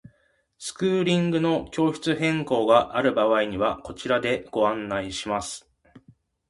スクーリングの教室変更がある場合はこちらでご案内します。